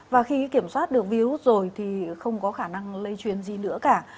và khi kiểm soát được virus rồi thì không có khả năng lây truyền gì nữa cả